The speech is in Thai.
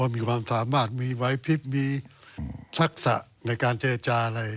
ว่ามีความสามารถมีวัยพิพย์มีศักดิ์ศะในการเจจาอะไร